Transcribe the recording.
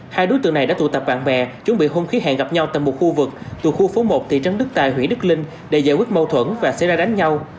hai đối tượng này đã tụ tập bạn bè chuẩn bị hung khí hẹn gặp nhau tại một khu vực thuộc khu phố một thị trấn đức tài huyện đức linh để giải quyết mâu thuẫn và xảy ra đánh nhau